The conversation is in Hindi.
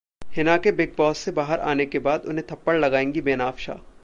हिना के Bigg Boss से बाहर आने के बाद उन्हें थप्पड़ लगाएंगी बेनाफ्शा!